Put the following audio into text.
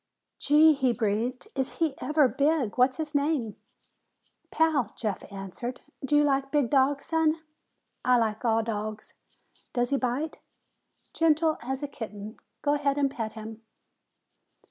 "Gee!" he breathed. "Is he ever big! What's his name?" "Pal," Jeff answered. "Do you like big dogs, son?" "I like all dogs. Does he bite?" "Gentle as a kitten. Go ahead and pet him."